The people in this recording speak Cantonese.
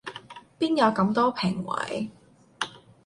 邊有咁多評委